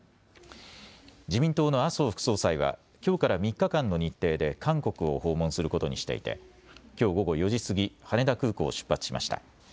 自民党の麻生副総裁はきょうから３日間の日程で韓国を訪問することにしていてきょう午後４時過ぎ羽田空港を出発しました。